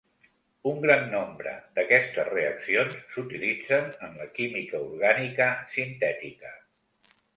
Un gran nombre d'aquestes reaccions s'utilitzen en la química orgànica sintètica.